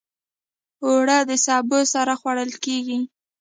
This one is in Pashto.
اوړه د سبو سره خوړل کېږي